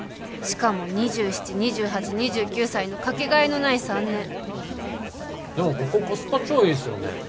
しかも２７２８２９歳のかけがえのない３年でもここコスパ超いいっすよね。